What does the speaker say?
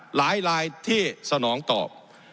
หลายที่สนองตอบ